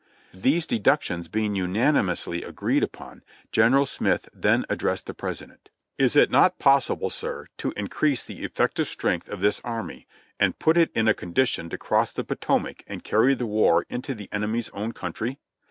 These deductions being unanimously agreed upon, General Smith then addressed the President : "Is it not possible, Sir, to increase the effective strength of this army, and put it in a condition to cross the Potomac and carry the war into the enemy's own country?